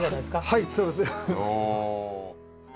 はいそうです。